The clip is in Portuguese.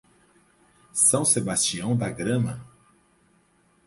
São Sebastião da Grama